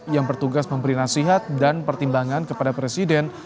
yang bertugas memberi nasihat dan pertimbangan kepada presiden